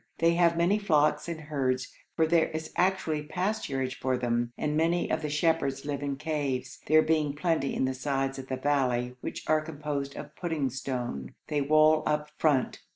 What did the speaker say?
They have many flocks and herds, for there is actually pasturage for them, and many of the shepherds live in caves, there being plenty in the sides of the valley, which are composed of pudding stone; they wall up the front.